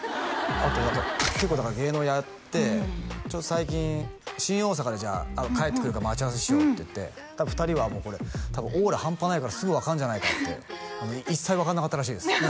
あと何か結構芸能やって最近新大阪で帰ってくるから待ち合わせしようって言って多分２人はオーラ半端ないからすぐ分かるんじゃないかって一切分かんなかったらしいです